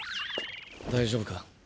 大丈夫か？